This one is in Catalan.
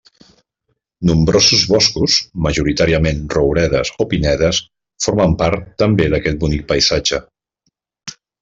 Nombrosos boscos, majoritàriament rouredes o pinedes, formen part també d'aquest bonic paisatge.